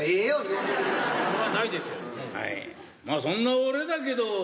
そんな俺だけど！